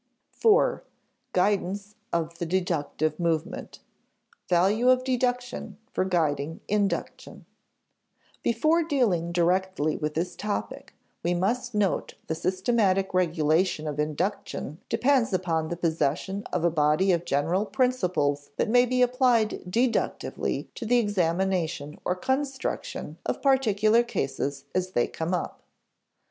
§ 4. Guidance of the Deductive Movement [Sidenote: Value of deduction for guiding induction] Before dealing directly with this topic, we must note that systematic regulation of induction depends upon the possession of a body of general principles that may be applied deductively to the examination or construction of particular cases as they come up.